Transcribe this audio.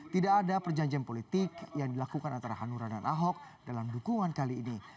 tidak ada perjanjian politik yang dilakukan antara hanura dan ahok dalam dukungan kali ini